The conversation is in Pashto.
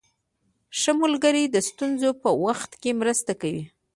ښه ملګری د ستونزو په وخت کې مرسته کوي.